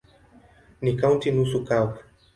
Ni kaunti nusu kavu.